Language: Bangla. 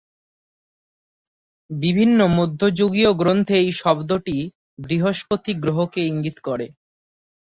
বিভিন্ন মধ্যযুগীয় গ্রন্থে এই শব্দটি বৃহস্পতি গ্রহকে ইঙ্গিত করে।